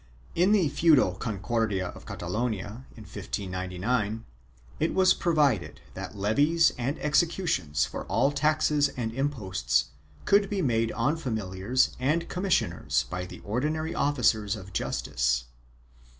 In the futile Concordia of Cata lonia in 1599, it was provided that levies and executions for all taxes and imposts could be made on familiars and com missioners by the ordinary officers of justice.